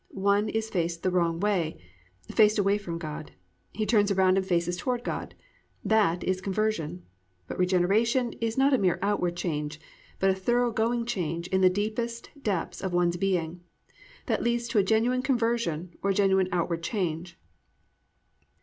One is faced the wrong way, faced away from God; he turns around and faces toward God. That is conversion. But regeneration is not a mere outward change, but a thorough going change in the deepest depths of one's being, that leads to a genuine conversion or genuine outward change.